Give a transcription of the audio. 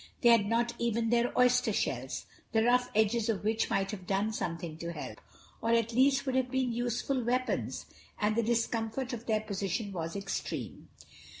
They had not even their oyster shells, the rough edges of which might have done something to help, or at least would have been useful weapons, and the discomfort of their position was extreme.